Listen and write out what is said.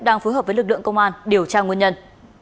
đang phối hợp với lực lượng công an điều tra nguyên nhân